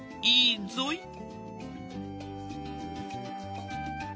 いいぞい。